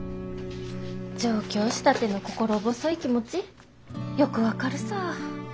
上京したての心細い気持ちよく分かるさぁ。